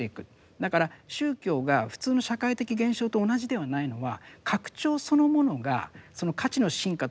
だから宗教が普通の社会的現象と同じではないのは拡張そのものがその価値の深化とは必ずしも一致しない。